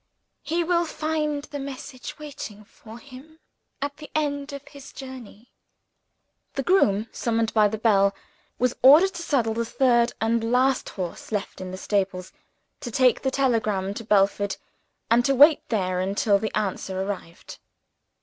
He will find the message waiting for him, at the end of his journey." The groom, summoned by the bell, was ordered to saddle the third and last horse left in the stables; to take the telegram to Belford, and to wait there until the answer arrived.